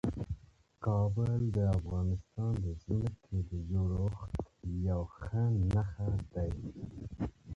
کابل د افغانستان د ځمکې د جوړښت یوه ښه نښه ده.